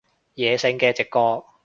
野性嘅直覺